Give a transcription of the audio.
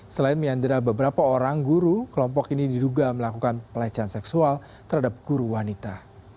selain menyandra beberapa orang guru kelompok ini diduga melakukan pelecehan seksual terhadap guru wanita